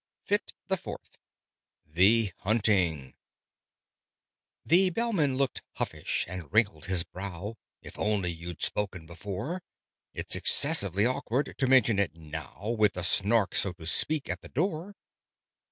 Fit the fourth THE HUNTING The Bellman looked uffish, and wrinkled his brow. "If only you'd spoken before! It's excessively awkward to mention it now, With the Snark, so to speak, at the door!